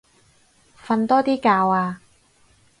瞓多啲覺啊